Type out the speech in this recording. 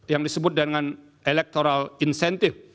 yang disebut dengan electoral incentive